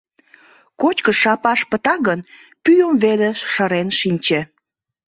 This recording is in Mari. Кочкыш шапаш пыта гын, пӱйым веле шырен шинче...